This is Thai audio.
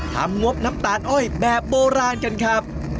งบน้ำตาลอ้อยแบบโบราณกันครับ